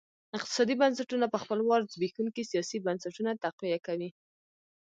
اقتصادي بنسټونه په خپل وار زبېښونکي سیاسي بنسټونه تقویه کوي.